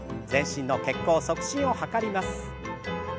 全身の血行促進を図ります。